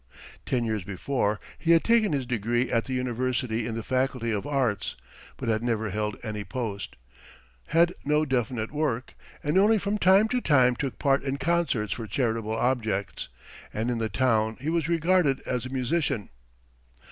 Ten years before he had taken his degree at the university in the Faculty of Arts, but had never held any post, had no definite work, and only from time to time took part in concerts for charitable objects; and in the town he was regarded as a musician.